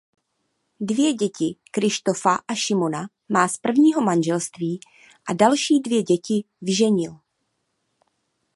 Dvě děti Kryštofa a Šimona má z prvního manželství a další dvě děti vyženil.